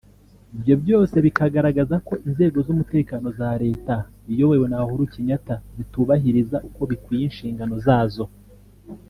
ibyo byose bikagaragaza ko inzego z’umutekano za Leta iyobowe na Uhuru Kenyatta zitubahiriza uko bikwiye inshingano zazo